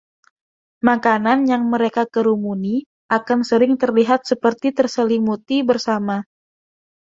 Makanan yang mereka kerumuni akan sering terlihat seperti terselimuti bersama.